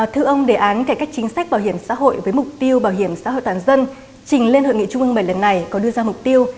thưa ông đề án cải cách chính sách bảo hiểm xã hội với mục tiêu bảo hiểm xã hội toàn dân trình lên hội nghị trung ương bảy lần này có đưa ra mục tiêu